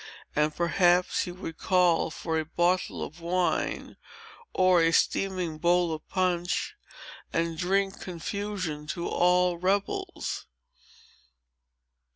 And perhaps he would call for a bottle of wine, or a steaming bowl of punch, and drink confusion to all rebels."